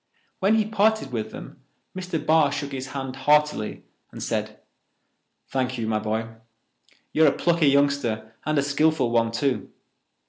When he parted with them, Mr. Barr shook his hand heartily and said: "Thank you, my boy. You're a plucky youngster and a skilful one, too.